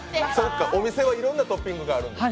お店はいろんなトッピングがあるんですか？